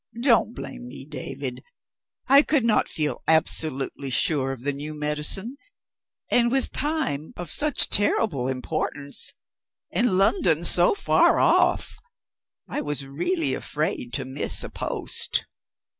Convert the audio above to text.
Don't blame me, David. I could not feel absolutely sure of the new medicine; and, with time of such terrible importance, and London so far off, I was really afraid to miss a post."